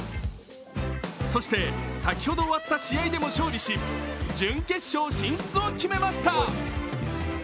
そして先ほど終わった試合でも勝利し準決勝進出を決めました。